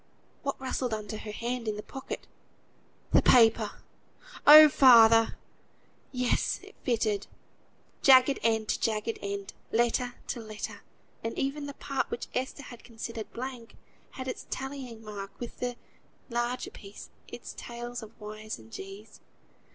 What rustled under her hand in the pocket? The paper! "Oh! Father!" Yes, it fitted; jagged end to jagged end, letter to letter; and even the part which Esther had considered blank had its tallying mark with the larger piece, its tails of _y_s and _g_s.